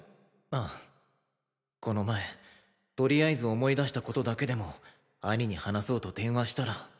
ああこの前とりあえず思い出したことだけでも兄に話そうと電話したら。